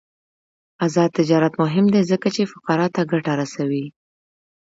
آزاد تجارت مهم دی ځکه چې فقراء ته ګټه رسوي.